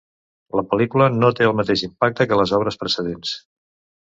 La pel·lícula no té el mateix impacte que les obres precedents.